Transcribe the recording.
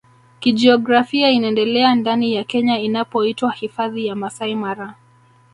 kijiografia inaendelea ndani ya Kenya inapoitwa hifadhi ya Masai Mara